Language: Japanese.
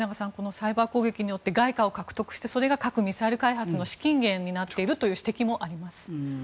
サイバー攻撃によって外貨を獲得してそれが核・ミサイル開発の資金源になっているという指摘もあります。